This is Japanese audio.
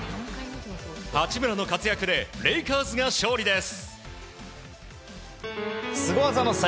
八村の活躍でレイカーズが勝利です。